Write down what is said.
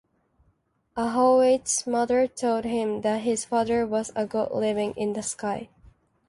Ahoeitu's mother told him that his father was a god living in the sky.